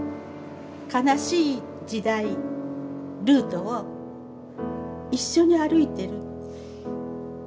悲しい時代ルートを一緒に歩いてる。